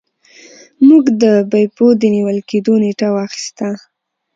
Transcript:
موږ د بیپو د نیول کیدو نیټه واخیسته.